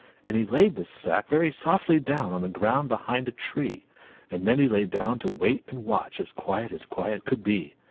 And he laid the sack very softly down On the ground behind a tree, And then lay down to wait and watch, As quiet as quiet could be.